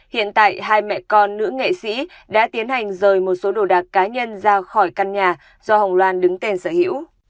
hiện tại hai mẹ con nữ nghệ sĩ đã tiến hành rời một số đồ đạc cá nhân ra khỏi căn nhà do hồng loan đứng tên sở hữu